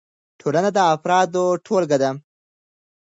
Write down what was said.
ټولنه د افرادو ټولګه ده.